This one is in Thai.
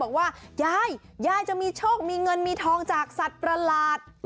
บอกว่ายายยายจะมีโชคมีเงินมีทองจากสัตว์ประหลาด